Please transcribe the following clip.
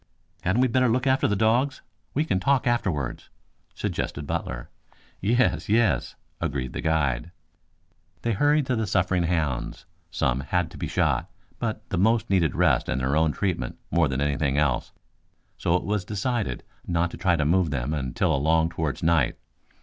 "Hadn't we better look after the dogs? We can talk afterwards," suggested Butler. "Yes, yes," agreed the guide. They hurried to the suffering hounds. Some had to be shot, but the most needed rest and their own treatment more than anything else, so it was decided not to try to move them until along towards night.